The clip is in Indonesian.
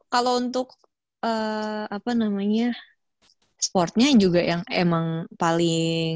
kalau untuk apa namanya sportnya juga yang emang paling